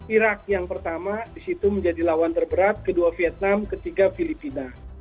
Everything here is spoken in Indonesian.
irak yang pertama disitu menjadi lawan terberat kedua vietnam ketiga filipina